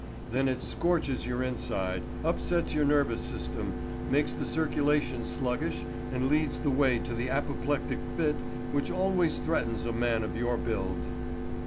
"Then it scorches your inside, upsets your nervous system, makes the circulation sluggish, and leads the way to the apoplectic fit which always threatens a man of your build."